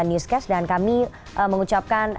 newscast dan kami mengucapkan